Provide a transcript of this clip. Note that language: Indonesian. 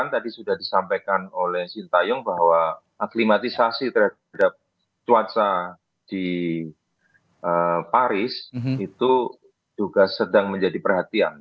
tadi sudah disampaikan oleh sintayong bahwa aklimatisasi terhadap cuaca di paris itu juga sedang menjadi perhatian